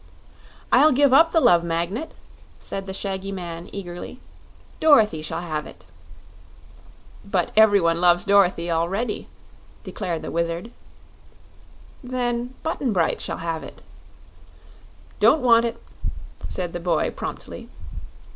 "I'll give up the Love Magnet," said the shaggy man, eagerly; "Dorothy shall have it." "But every one loves Dorothy already," declared the Wizard. "Then Button Bright shall have it." "Don't want it," said the boy, promptly.